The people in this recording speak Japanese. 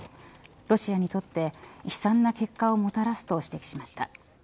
ロシアにとって悲惨な結果をもたらすと指摘しました。